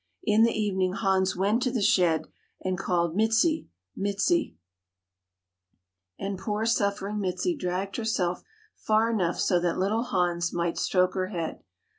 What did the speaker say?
In the evening Hans went to the shed and called "Mizi, Mizi," and poor, suffering Mizi dragged herself far enough so that little Hans might stroke her head.